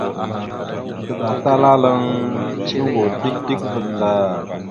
Adəɗatalalaŋ shungo dik dik vvaɗ ndar.